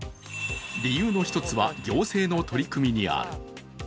理由の１つは、行政の取り組みにある。